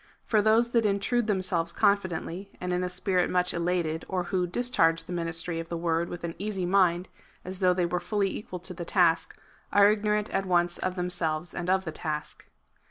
For those that intrude themselves confidently, and in a spirit much elated, or who discharge the ministry of the word with an easy mind, as though they were fully equal to the task, are ignorant at once of them selves and of the task.